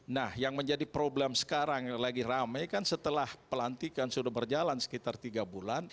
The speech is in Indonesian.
nah yang menjadi problem sekarang yang lagi rame kan setelah pelantikan sudah berjalan sekitar tiga bulan